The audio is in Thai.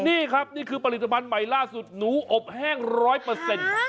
นี่ครับนี่คือผลิตภัณฑ์ใหม่ล่าสุดหนูอบแห้งร้อยเปอร์เซ็นต์